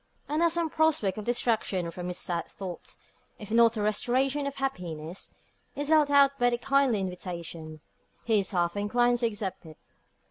And as some prospect of distraction from his sad thoughts if not a restoration of happiness is held out by the kindly invitation, he is half inclined to accept it.